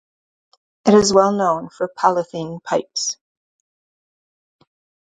It is well known for polythene pipes.